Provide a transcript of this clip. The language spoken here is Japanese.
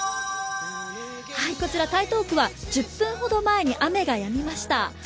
こちら台東区は１０分ほど前に雨がやみました。